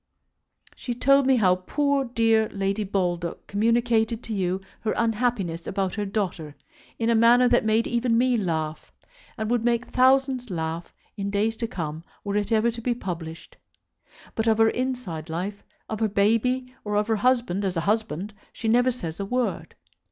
She told me how poor dear Lady Baldock communicated to you her unhappiness about her daughter in a manner that made even me laugh; and would make thousands laugh in days to come were it ever to be published. But of her inside life, of her baby, or of her husband as a husband, she never says a word.